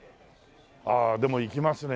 ああでも行きますね